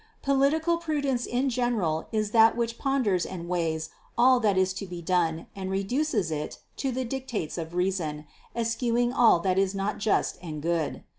536. Political prudence in general is that which pon ders and weighs all that is to be done and reduces it to THE CONCEPTION 413 the dictates of reason, eschewing all that is not just and good.